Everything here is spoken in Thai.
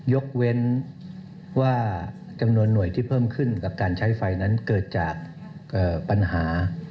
ยกเว้นว่าจำนวนหน่วยที่เพิ่มขึ้นกับการใช้ไฟนั้นเกิดจากปัญหา